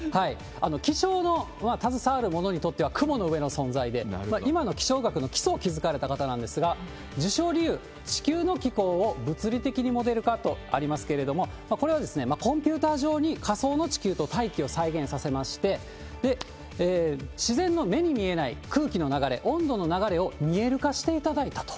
気象の携わる者にとっては雲の上の存在で、今の気象学の基礎を築かれた方なんですが、受賞理由、地球の気候を物理的にモデル化とありますけれども、これはコンピューター上に仮想の地球と大気を再現させまして、自然の目に見えない空気の流れ、温度の流れを見える化していただいたと。